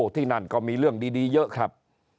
ที่นั่นก็มีเรื่องดีเยอะครับ